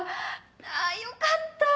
あぁよかった！